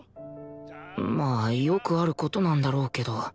まあよくある事なんだろうけど